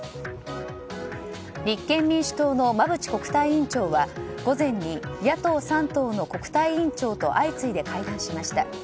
立憲民主党の馬淵国対委員長は午前に野党３党の国対委員長と相次いで会談しました。